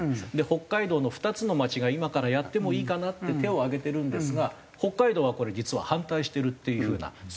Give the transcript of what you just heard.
北海道の２つの町が今からやってもいいかなって手を挙げてるんですが北海道はこれ実は反対してるっていう風な。